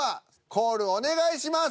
コールお願いします。